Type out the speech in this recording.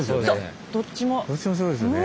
どっちもすごいですよね。